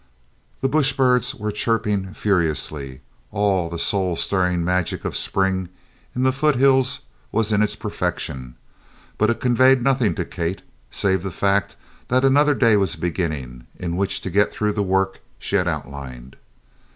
The bush birds were chirping furiously; all the soul stirring magic of spring in the foothills was in its perfection; but it conveyed nothing to Kate save the fact that another day was beginning in which to get through the work she had outlined.